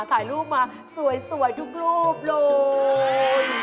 ถ่ายรูปมาสวยทุกรูปเลย